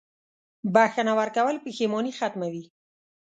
• بښنه ورکول پښېماني ختموي.